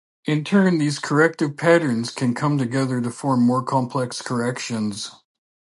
In turn these corrective patterns can come together to form more complex corrections.